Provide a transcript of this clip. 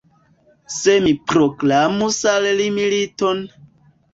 Se mi proklamus al li militon!